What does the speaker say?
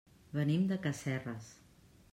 Venim de Casserres.